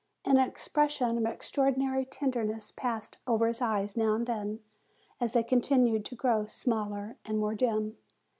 And an expression of extraordinary tenderness passed over his eyes now and then, as they continued to grow smaller and more dim.